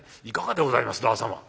いかがでございます旦様